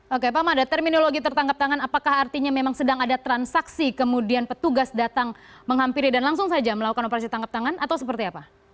oke pak mada terminologi tertangkap tangan apakah artinya memang sedang ada transaksi kemudian petugas datang menghampiri dan langsung saja melakukan operasi tangkap tangan atau seperti apa